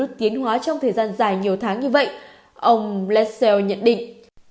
nếu virus tiến hóa trong thời gian dài nhiều tháng như vậy ông lassell nhận định